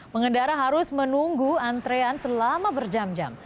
pengendara harus menunggu antrean selama berjam jam